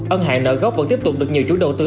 ân hại nợ gốc vẫn tiếp tục được nhiều chủ đầu tư